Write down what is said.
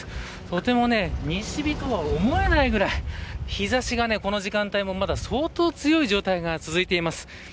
とても西日とは思えないぐらい日差しが、この時間帯はまだ相当、強い状態が続いています。